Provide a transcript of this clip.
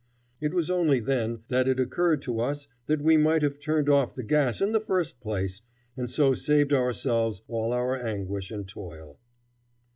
It was only then that it occurred to us that we might have turned off the gas in the first place, and so saved ourselves all our anguish and toil.